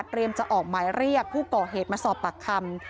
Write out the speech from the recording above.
เตรียมจะออกหมายเรียกผู้เกาะเหตุมาสอบปรักคำ